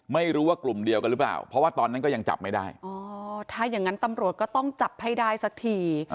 ไม่รู้ว่ากลุ่มเดียวกันหรือเปล่าเพราะว่าตอนนั้นก็ยังจับไม่ได้อ๋อถ้าอย่างงั้นตำรวจก็ต้องจับให้ได้สักที